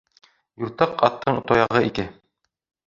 Юртаҡ аттың тояғы ике.